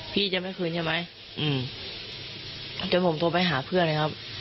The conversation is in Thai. พี่จะไม่คืนใช่ไหมอืมจนผมโทรไปหาเพื่อนเลยครับ